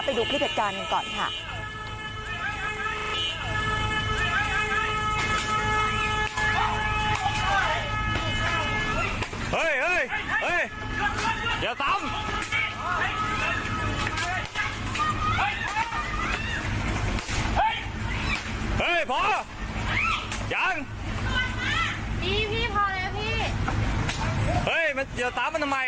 ไปดูคลิปเหตุการณ์กันก่อนค่ะ